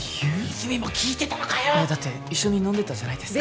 泉も聞いてたのかよっいやだって一緒に飲んでたじゃないですか